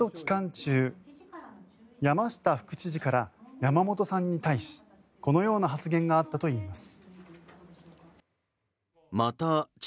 中山下副知事から山本さんに対しこのような発言があったといいます。